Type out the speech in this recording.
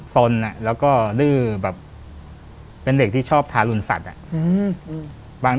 สนแล้วก็ดื้อแบบเป็นเด็กที่ชอบทารุณสัตว์